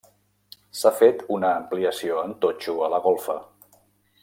S'ha fet una ampliació en totxo a la golfa.